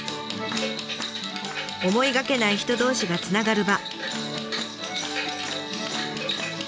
思いがけない人同士がつながる場。